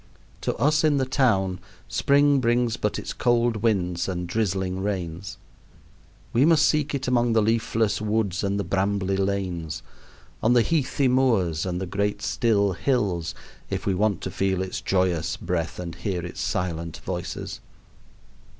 To us in the town spring brings but its cold winds and drizzling rains. We must seek it among the leafless woods and the brambly lanes, on the heathy moors and the great still hills, if we want to feel its joyous breath and hear its silent voices.